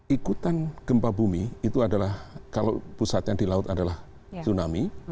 ikutan gempa bumi itu adalah kalau pusatnya di laut adalah tsunami